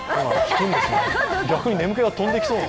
逆に眠気が飛んでいきそう。